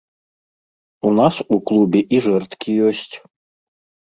У нас у клубе і жэрдкі ёсць.